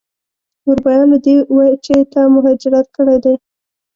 اروپایانو دې وچې ته مهاجرت کړی دی.